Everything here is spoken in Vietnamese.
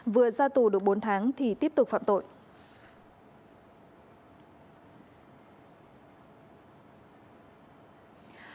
vừa ra tù được bốn tháng thì tiếp tục phạm tội